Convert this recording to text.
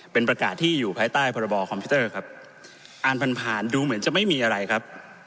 เป็นประกาศที่อยู่ภายใต้พรบคอมพิวเตอร์ครับอ่านผ่านผ่านดูเหมือนจะไม่มีอะไรครับ